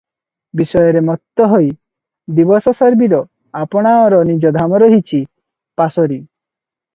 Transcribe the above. ବିଷୟରେ ମତ୍ତ ହୋଇ ଦିବସଶର୍ବରୀ, ଆପଣାଅର ନିଜ ଧାମ ରହିଛି ପାସୋରି ।